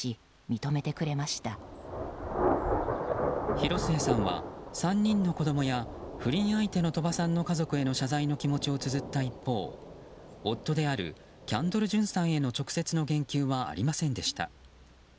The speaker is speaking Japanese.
広末さんは３人の子供や不倫相手の鳥羽さんの家族への謝罪の気持ちをつづった一方夫であるキャンドル・ジュンさんへの直接の言及はありませんでした。